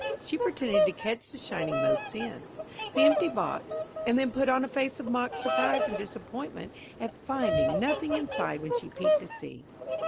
She pretended to catch the shining motes in. the empty box; and then put on a face of mock surprise and disappointment at finding nothing inside when she peeped to see.